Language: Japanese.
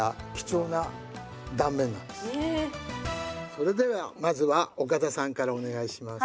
それではまずは岡田さんからお願いします。